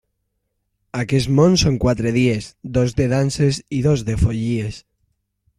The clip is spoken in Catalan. Aquest món són quatre dies: dos de danses i dos de follies.